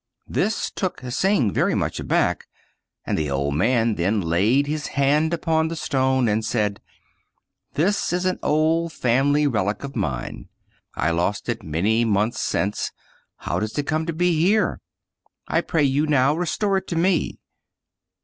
This took Hsing very much aback; and the old man then laid his hand upon the stone and said, " This is an old family relic of mine : I lost it many months since. How does it come to be here? I pray you now restore it to me."